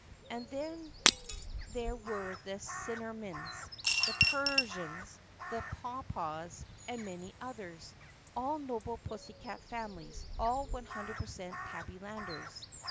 And then there were the Sinnermins, the Purrsians, the Paw Paws, and many others — all noble pussycat families, all 100% Tabbylanders.